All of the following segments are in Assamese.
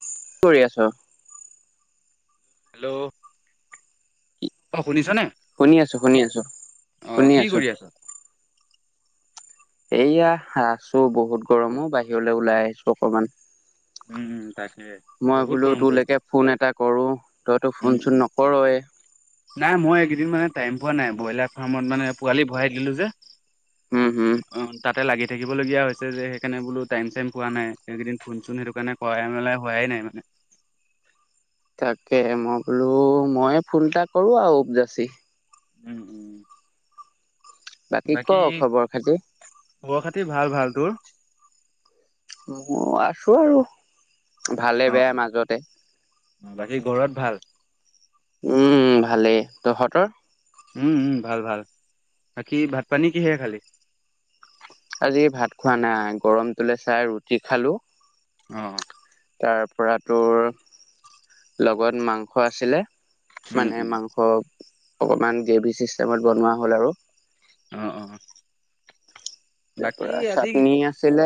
কি কৰি আছ? হেল্ল' অ শুনিছনে? শুনি আছো, শুনি আছো, অ শুনি কি আছো। কৰি আছ? এইয়া আছো বহুত গৰমো বাহিৰলৈ ওলাই আহিছো অকমান। উম উম তাকে মই বহুত বোলো গৰম পৰিছে। তোলৈকে ফোন এটা কৰো, তই তো উম ফোন উম চোন নকৰয়ে। নাই মই এইকেইদিন মানে টাইম পোৱা নাই ব্ৰইলাৰ ফাৰ্মত মানে পোৱালি ভৰাই দিলো যে। উম, হম, অ তাতে লাগি থাকিবলগীয়া হৈছে যে সেইকাৰণে বোল টাইম চাইম পোৱা নাই এইকেইদিন ফোন চোন সেইটো কাৰণে কৰাই মেলাই হোৱাই নাই মানে তাকে মই বোলো মই ফুন এটা কৰো আৰু উবজাচি উম উম। ক বাকী খবৰ খাতি? খৱ খাতি ভাল ভাল তোৰ। অ আছো আৰু ভালে অ বেয়া মাজতে। বাকী ঘৰত ভাল। উম ভালেই তহঁতৰ। উম উ ভাল ভাল বাকী ভাত পানী কিহে খালি। আজি ভাত খোৱা নাই গৰমটোলে চাই ৰুটি খালো। অহ। তাৰপৰাতোৰ লগত মাংস আছিলে। উম মানে উম মাংস অকমান গ্ৰেভি চিষ্টেমত বনোৱা হ'ল আৰু। অঁ অঁ বাকী তাৰপৰা আজি চাটনি আছিলে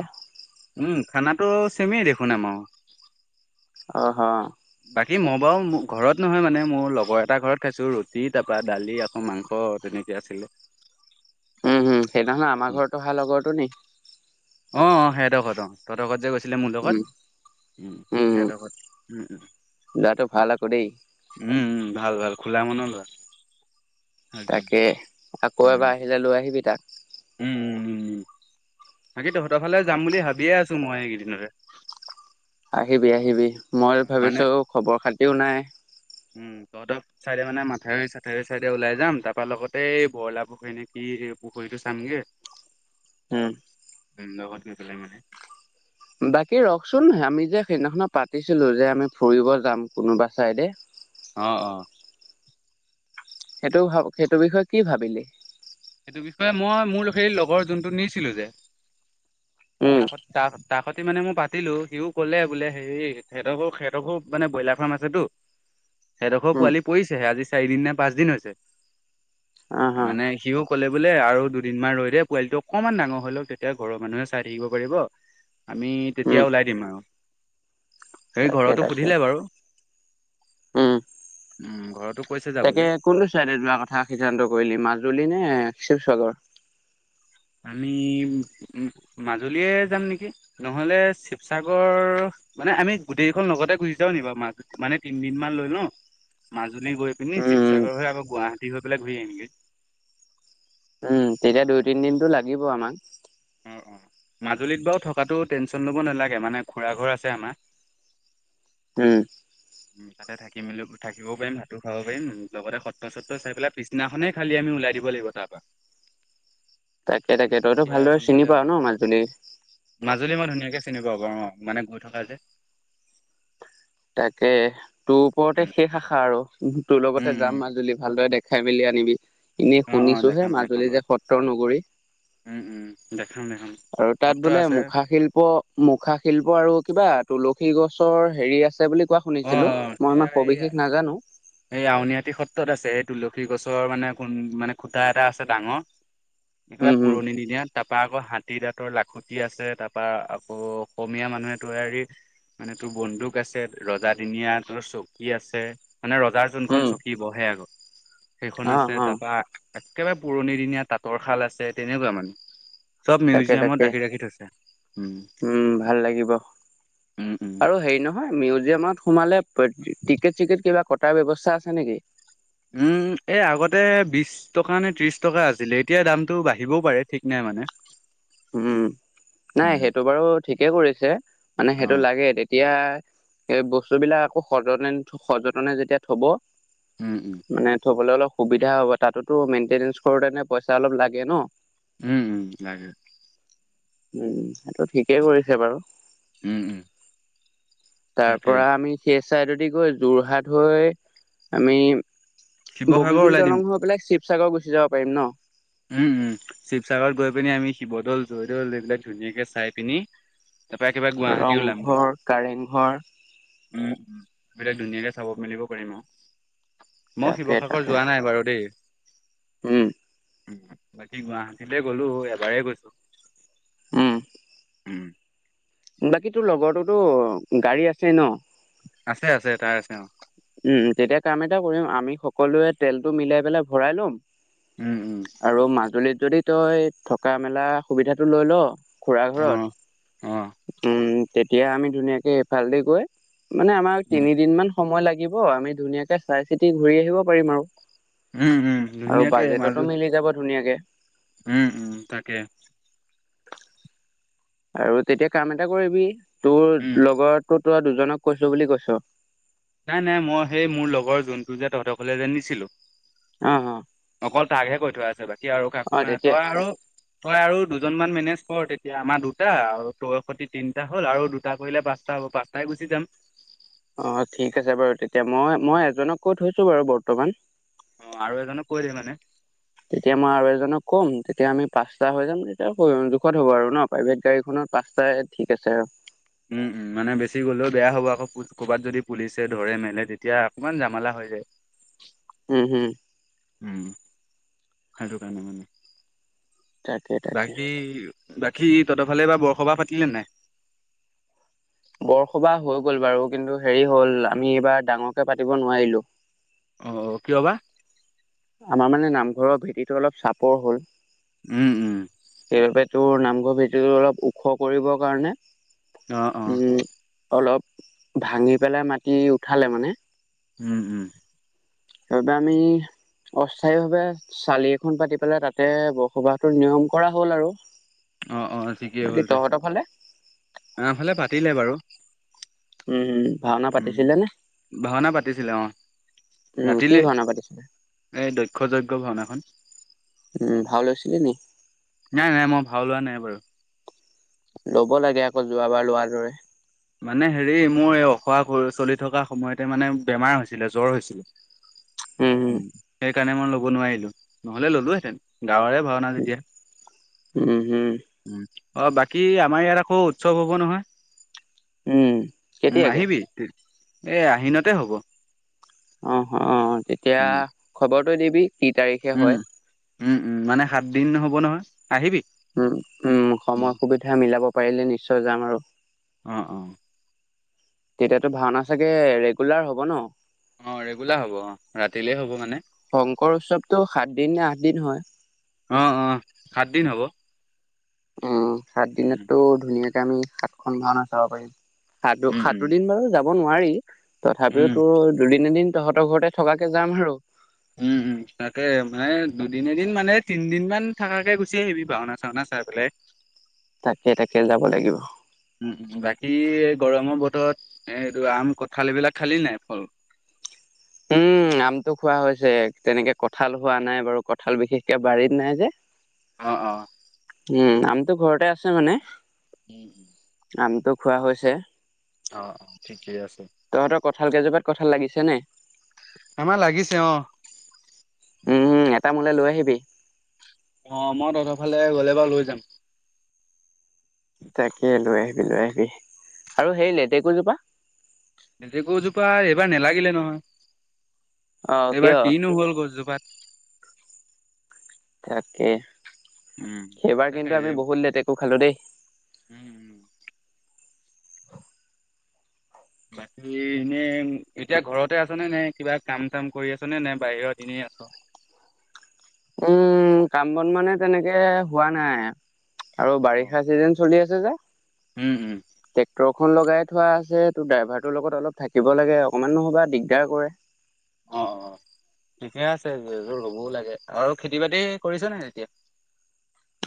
উম। খানাটো চেমেই দেখোনো আমাৰো। অঁহ। বাকী মই বাঁও ঘৰত নহয় মানে মোৰ লগৰ এটা ঘৰত খাইছো ৰুটি তাৰ পৰা দালি আকৌ মাংস। অঁ তেনেকে আছিলে। উম হম সেইদিনা খন আমাৰ ঘৰত অহা লগৰটো নি। অঁ অঁ সেহঁতক ঘৰত তহঁৰকত ঘৰত যে গৈ। মোৰ লগত উম উম সেতৰ ঘৰত। ল'ৰাটো ভাল আকৌ দেই উম ভাল ভাল খোলা মন। তাকে আকৌ এবাৰ আহিলে লৈ আহিবি তাক। উ বাকী তহঁতৰ ফালে যাম বুলি ভাবিয়ে আছো মই এইকেইদিনতে। আহিবি আহিবি মই অ, মানে ভাবিছোঁ খবৰ খাতিওঁ নাই। দহ চাইডে মানে মাথাউৰি চাথউৰি চাইডে ওলাই যাম তাৰপা লগতে এই বৰলা পুখুৰীনে কি পুখুৰী। চামগে। উম। ভিন লগত লৈ পেলাই মানে। বাকী ৰকচোন আমি যে সেইদিনাখনত পাতিছিলো যে আমি ফুৰিব যাম কোনোবা চাইডে। অঁহ অঁ। সেইটো ভাব সেইটো বিষয়ে কি ভাবিলি। সেইটো বিষয়ে মই মোৰ সেই লগৰ যোনটো নিছিলো যে উম ত তাক। তাকতি মানে মই পাতিলো সিওঁ ক'লে বোলে হে সিহঁতকো সিহঁতকো মানে ব্ৰইলাৰ ফাৰ্ম আছেতো। সেইডোখৰ উম পোৱালি পৰিছেহে আজি চাৰিদিন নে পাঁচদিন হৈছে অ হ মানে সিও। ক'লে বোলে আৰু দুদিনমান ৰৈ দে পোৱালিটো অকনমান ডাঙৰ হৈ লওঁক তেতিয়া ঘৰৰ মানুহে চাই থাকিব পাৰিব। আমি তেতিয়া উম ওলাই দিম আৰু। সেই তাকে ঘৰতো তাকে সুধিলে বাৰু উম উম ঘৰতো। কৈছে তাকে যাবলে। কোনটো চাইডে যোৱা কথা সিদ্ধান্ত কৰিলি মাজুলী নে শিৱসাগৰ। আমি মাজুলীয়ে যাম নেকি নহ'লে শিৱসাগৰ। মানে আমি গোটেইকেইখন লগতে গুচি যাওঁ নি বাৰু মা মানে তিনিদিনমান লৈ ন। মাজুলী গৈ পিনি উম, শিৱসাগৰ হৈ আকৌ গুৱাহাটী হৈ পেলাই ঘূৰি আহিমগৈ। উম তেতিয়া দুই তিন দিনটো লাগিব আমাক। অঁ মাজুলীত বাৰু থকাটো টেনচন ল'ব নালাগে মানে খুৰা ঘৰ আছে আমাৰ। উম। উম তাতে থাকি মেলি থাকিব পাৰিম ভাতো খাব পাৰিম উ লগ সত্ৰ সত্ৰ চাই পেলাই পিছনাখনে খালি আমি ওলাই। দিব লাগিব তাৰপ পৰা। [unintelligible] কেই তাকে তইতো তেতিয়া ভালদৰে চিনি সোনকালে হ'ব পাৱ ন মাজুলী। তে চিনি পা বাৰ অঁ মানে গৈ থকা যে। তাকে তোৰ ওপৰতে উম শেষ আশা আৰু তোৰ লগতে উম যাম উম মাজুলী ভালদৰে দে। খাই মেলি আনিবি এনেই অ অ শুনিছো হে দেখাম দেখাম মাজুলী যে বাৰু সত্ৰ নগৰী। উম উম দেখাম দেখাম আৰু তাত সত্ৰ বোলে আছে মুখা শিল্প মুখা শিল্প আৰু কিবা তুলসী। তুলসী গছৰ হেৰি আছে বুলি। কোৱা অঁ শুনিছিলো অঁ মই ইমান সেয়া এই সবিশেষ নাজানো এই আউনীআটী সত্ৰত আছে এই তুলসী গছ ওচৰৰ মানে মানে খুটা এটা আছে ডাঙৰ একবাৰে উম, উম, পুৰণি দিনিয়া তাৰ তাপা আকৌ হাতী দাঁতৰ লাখুটি আছে তাপা আকৌ অসমীয়া মানুহে তৈয়াৰী মানে তোৰ বন্দুক আছে। ৰজাদিনীয়া তলৰ চকী আছে মানে ৰজাৰ যোনখন উম, চকী বহে আগত সেইখন অ', আছে অ', তাৰ পৰা একেবাৰে পুৰণি দিনীয়া তাঁতৰ শাল আছে তেনেকুৱা মানে। চব তাকে মিউজিয়ামত তাকে ৰাখি ৰাখি থৈছে উম ভাল লাগিব। উম উম আৰু হেৰি নহয় মিউলি গেমাৰত সোমালে টিকেট-চিকট কিবা কটাৰ ব্যৱস্থা আছে নেকি? উম, এ আগতে বিছ টকা নে ত্ৰিছ টকা আছিলে। এতিয়া দামটো বাঢ়িবও পাৰে ঠিক নাই। মানে উম, নাই উম সেইটো বাৰু ঠিকেই কৰিছে, মানে অ সেইটো লাগে। তেতিয়া এই বস্তুবিলাক আকৌ সযনে সযতনে যেতিয়া থব উম উম মানে থবলৈ অলপ সুবিধা হ'ব। তাতোতো মেইনটেনেন্ঞ্চ কৰোতেনে পইচা অলপ লাগে ন? উম, লাগে। উম, সেইটো ঠিকেই কৰিছে বাৰু। উম উম তাৰ তাকে পৰা আমি সেই চাইডদি গৈ যোৰহাট হৈ আমি শিৱসাগৰ বগীবিল ওলাই দিম দলং হৈ পেলাই চিৱসাগৰ গুচি যাব পাৰিম ন? শিৱসাগৰত গৈ পিনি আমি শিৱদৌল, জয়দৌল এইবিলাক ধুনীয়াকৈ চাই পিনি তাৰ পৰা একে বাৰে গুৱাহাটী ওলাম গে। ৰংঘৰ কাৰেংঘৰ উম। বিলাক ধুনীয়াকে চাব মেলিব পাৰিম আও। মই শিৱসাগৰ যোৱা নাই বাৰু দেই। হুম। উ বাকী গুৱাহাটীতে গলো এবাৰেই গৈছো। উম। উম। বাকী তোৰ লগৰতোতো গাড়ী আছেই ন? আছে, আছে। তাৰ আছে, অ। উম তেতিয়া কাম এটা কৰিম। আমি সকলোৱে তেলটো মিলাই পেলাই ভৰাই লম উম, উম, আৰু মাজুলীত যদি তই থকা মেলা সুবিধাটো লৈ ল খুৰা ঘৰত। অ', অ', তেতিয়া আমি ধুনীয়াকে এইফালেদি গৈ মানে আমাৰ উম, তিনিদিন মান সময় লাগিব। আমি ধুনীয়াকে চাই চিতি ঘূৰি আহিব পাৰিম আৰু। উম, উম, আৰু ধুনীয়াকে মাজু বাজেটতো মিলি যাব ধুনীয়াকে। উম, উম তাকে। আৰু তেতিয়া কাম এটা কৰিবি উম। তো দুজনক কৈছো বুলি কৈছ। নাই, নাই। মই সেই মোৰ লগৰ জোনটো যে তহঁতৰ ঘৰলে যে নিছিলো আহ অ। অকল তাকহে কৈ থোৱা আছে। বাকী আৰু অ কাকো নাই। তই তেতিয়া আৰু তই আৰু দুজনমান মেনেজ কৰ। তেতিয়া আমাৰ দুটা আৰু তয়সতি তিনটা হ'ল আৰু দুটা কৰিলে পাঁচটা পাঁচটাই গুচি যাম। অ ঠিক আছে বাৰু তেতিয়া। মই, মই এজনক কৈ থৈছো বাৰু বৰ্তমান। অ আৰু এজনক কৈ দে মানে। তেতিয়া মই আৰু এজনক ক'ম, তেতিয়া আমি পাঁচটা হৈ যাম। তেতিয়া জোখত হ'ব আৰু ন প্ৰাইভেট গাড়ীখনত পাঁচটাই ঠিক আছে আৰু উম, উম মানে বেছি গ'লেও বেয়া হ'ব। আকৌ ক'ৰবাত যদি পুলিচে ধৰে মেলে তেতিয়া অকণমান জামেলা হৈ যায়। হুম, হুম। উম, সেইটো কাৰণে মানে। তাকে, তাকে। বাকী বাকী ততফালে এইবাৰ বৰসবাহ পাতিলে নাই? বৰসবাহ হৈ গ'ল বাৰু। কিন্তু হেৰি হ'ল আমি এইবাৰ ডাঙৰকে পাতিব নোৱাৰিলোঁ। অ কিয় বা? আমাৰ মানে নামঘৰৰ ভেটিটো অলপ চাপৰ হ'ল। উম, উম। ত নামঘৰ ভেঁটিটো অলপ ওখ কৰিবৰ কাৰণে, অ', অ', উম অলপ ভাঙি পেলাই মাটি উঠালে মানে। উম, উম। তাপা আমি। অস্থায়ী ভাৱে চালি এখন পাতি পেলাই তাতে বসবাসটোৰ নিয়ম কৰা হ'ল আৰু। অ অ ঠিকেই বাকী হ'ল দে তহঁতৰ ফালে আমা ফালে পাতিলে বাৰু। উম হুম। ভাওনা উম, পাতিছিলে নে ভাওনা পাতিছিলে অ' উম কি ৰাতিলে। ভাওনা পাতিছিলে। এই দক্ষ যজ্ঞ ভাওনাখন। উম ভাও লৈছিলি নি নাই নাই মই ভাও লোৱা নাই বাৰু। ল'ব লাগে আকৌ যোৱাবাৰ লোৱাৰ দৰে। মানে হেৰি মোৰ এই অখৰা চলি থকা সময়তে মানে বেমাৰ হৈছিলে জ্বৰ হৈছিলে। উম সেইকাৰণে মই ল'ব নোৱাৰিলো নহ'লে ললোহেতেন। গাঁৱৰে ভাওনা উম যেতিয়া উম। অ বাকী আমাৰ ইয়াত আকৌ উৎসৱ হ'ব নহয়। উম। উম কেতিয়াকে আহিবি। এ আহিনতে হ'ব। অ অ তেতিয়া উম খবৰটো দিবি। কি তাৰিখে উম হয় উম উম মানে সাত দিন হ'ব নহয়। আহিবি উম উম সময় সুবিধা মিলাব পাৰিলে নিশ্চয় যাম আৰু। অ অ। তেতিয়াতো ভাওনা চাগে ৰেগুলাৰ হ'ব ন। অ ৰেগুলাৰ হ'ব অ ৰাতিলে হ'ব মানে শংকৰ উৎসৱটো সাত দিন নে আঠ দিন হয় অ অ সাতদিন হ'ব। উম সাত উম দিনতটো ধুনীয়াকে আমি সাতখন ভাওনা চাব পাৰিম। সাত উম উম সাতো দিন বাৰু যাব নোৱাৰি উম তথাপিও তো দুদিন এদিন। তহঁতৰ ঘৰতে থকাকে যাম আৰু। উম উম তাকে মানে দুদিন এদিন মানে তিনদিন মান থাকাকে গুচি আহিবি ভাওনা চাওনা চাই পেলাই, তাকে তাকে যাব লাগিব উম উম বাকী। গৰমৰ বতৰত এইটো আম কঁঠাল এইবিলাক খালি নাই ফল। উম আমটো খোৱা হৈছে তেনেকে কঁঠাল হোৱা নাই বাৰু কঁঠাল বিশেষকে বাৰীত নাই যে। অ অ। উম আমটো ঘৰতে আছে মানে। উম [inaudible] আমটো খোৱা হৈছে। অ অ ঠিকে আছে। তহঁতৰ কঁঠাল কেইজোপাত কঁঠাল লাগিছে নে আমাৰ লাগিছে অ। উম উম এটা মোলে লৈ আহিবি। অ মই তহঁত ফালে গ'লে বাৱ লৈ যাম। তাকে লৈ আহিবি লৈ আহিবি আৰু সেই লেটেকুজোপা। লেটেকুজোপা এইবাৰ নেলাগিলে অ', নহয়। কিয় এইবাৰ কিনো হ'ল গছজোপাত। তাকে উম, সেইবাৰ তাকে কিন্তু আমি বহুত লেটেকু খালো দেই। উম উম। বাকী এনে এতিয়া ঘৰতে আছনে নে কিবা কাম চাম কৰি আছনে বাহিৰত এনে আছ। [unintelligible] উম কাম বন মানে তেনেকে হোৱা নাই আৰু অ'। বাৰিষা চিজন চলি আছে যে। উম উম। ফোন লগাই থোৱা আছে ত ড্ৰাইভাৰটোৰ লগত অলপ থাকিব লাগে অকমান নহ'বা দিগদাৰ কৰে। অ অ। ঠিকয়া আছে যযোৰ ৰ'বও লাগে আৰু খেতি বাতি কৰিছ নে তেতিয়া।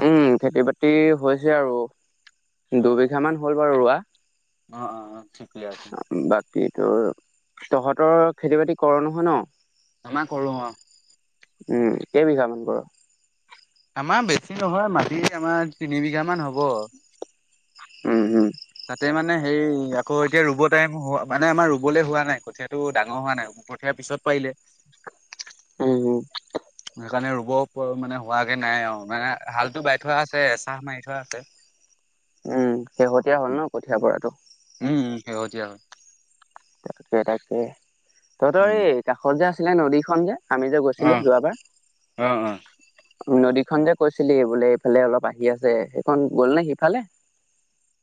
উম খেতি বাতি হৈছে আৰু অ', অ'। দুবিঘা মান হ'ল বাৰু ৰোৱা। অ অ অ। ঠিকে আছে বাকী তো তহঁতৰ খেতি বাতি কৰ নহয় ন। আমাৰ কৰো অ। উম কেইবিঘামান কৰ। আমাৰ বেছি নহয় মাটি আমাৰ তিনি বিঘা মান হ'ব। উম উম। তাতে মানে হেই আকৌ এতিয়া ৰুব টাইম হ মানে আমাৰ ৰুবলৈ হোৱা নাই কঠীয়াটো ডাঙৰ হোৱা নাই। পঠিয়াৰ পিছত পাৰিলে। উম উম। সেইকাৰণে ৰুব মানে হোৱাগে নাই আৰু মানে হালতটো বাই থোৱা আছে এচাহ মাৰি থোৱা আছে। উম শেহতীয়া হ'ল ন কঠীয়া পৰাতটো। সেহতিয়া হ'ল। তাকে তাকে তহঁতৰ উম, এই কাষত যে আছিলে নদীখনন যে। আমি যে গৈছিলো অ', যোৱাবাৰ। অ', অ'। নদীখনন যে কৈছিলি বোলে এইফালে অলপ আহি আছে সেইখন গ'ল নে সিফালে।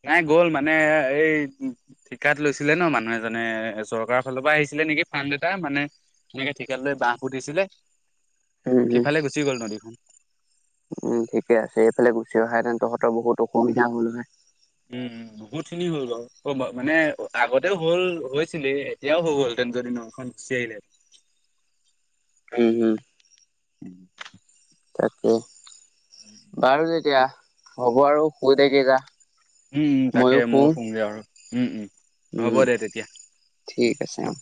নাই গ'ল মানে এই ঠিকাত লৈছিলে ন মানুহ এজনে চৰকাৰৰ ফালৰ পৰা আহিছিল। ছিলে নেকি ফান এতা মানে সেনেকে ঠিকাৰ লৈ বাহ পুতিছিলে। উম উম সিফালে গুচি গ'ল নদীখন। উম ঠিকে আছে এইফালে গুচি অহােতেন তহঁতৰ বহুত অসুবিধা হ'ল হয়। উম বহুত খিনি হ'ল বাৰু মানে আগতে হ'ল হৈছিলেই এতিয়াও হৈ গ'ল। যদি নৈখন গোচি আহিলে। উম উম। উম। তাকেই বাৰু তেতিয়া হ'ব আৰু শুই থ কেই যা। উম উম তাকে ময়ো ফোন য আৰু উম উম হ'ব উম দে তেতিয়া। ঠিক আছে অ।